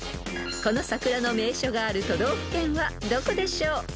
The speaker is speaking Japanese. ［この桜の名所がある都道府県はどこでしょう？］